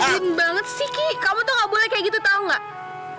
mungkin banget sih ki kamu tuh gak boleh kayak gitu tau gak